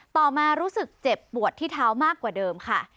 ต่อมารู้สึกเจ็บปวดที่เท้ามากกว่าเดิมค่ะ